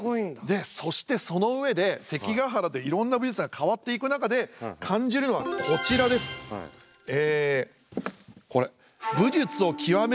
でそしてその上で関ヶ原でいろんな武術が変わっていく中で感じるのはこちらです。え？